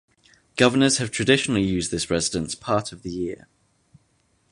Governors have traditionally used this residence part of the year.